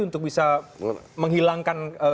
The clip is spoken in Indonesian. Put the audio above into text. untuk bisa menghilangkan